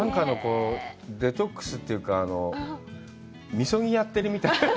デトックスというか、みそぎやってるみたい。